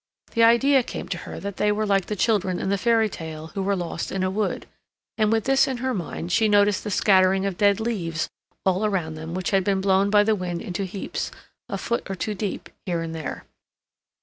The idea came to her that they were like the children in the fairy tale who were lost in a wood, and with this in her mind she noticed the scattering of dead leaves all round them which had been blown by the wind into heaps, a foot or two deep, here and there.